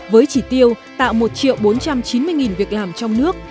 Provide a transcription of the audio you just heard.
với chỉ tiêu tạo một bốn trăm chín mươi việc làm trong nước